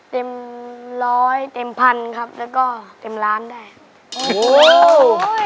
เต็มร้อยเต็มพันครับแล้วก็เต็มล้านได้ครับโอ้โห